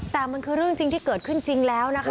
แต่มันคือเรื่องจริงที่เกิดขึ้นจริงแล้วนะคะ